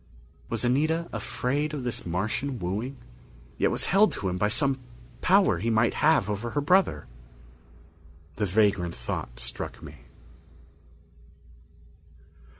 Was Anita afraid of this Martian's wooing? Yet was held to him by some power he might have over her brother? The vagrant thought struck me.